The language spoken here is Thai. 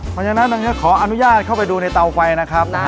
เพราะฉะนั้นอันนี้ขออนุญาตเข้าไปดูในเตาไฟนะครับ